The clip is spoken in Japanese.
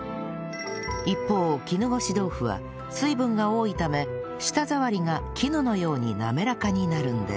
一方絹ごし豆腐は水分が多いため舌触りが絹のようになめらかになるんです